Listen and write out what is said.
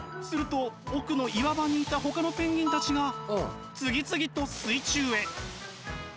すると奥の岩場にいたほかのペンギンたちが次々と水中へ。